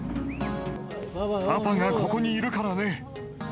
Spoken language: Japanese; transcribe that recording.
パパがここにいるからね。